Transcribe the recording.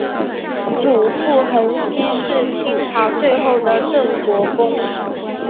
祖父恒煦是清朝最后的镇国公。